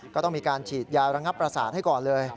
ก็ต้องมีการฉีดยาระงับประสาทให้ก่อนเลย